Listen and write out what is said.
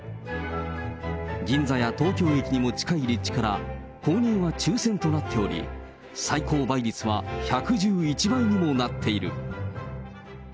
銀座や東京駅にも近い立地から、購入は抽せんとなっており、最高倍率は１１１倍にもなっている。